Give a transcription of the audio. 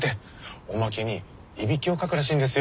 おまけにいびきをかくらしいんですよ